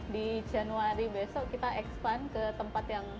di januari besok kita ekspan ke tempat yang